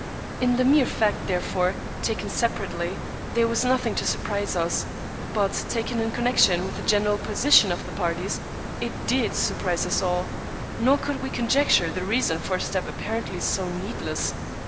In the mere fact, therefore, taken separately, there was nothing to surprise us, but, taken in connection with the general position of the parties, it did surprise us all ; nor could we conjecture the reason for a step apparently so needless.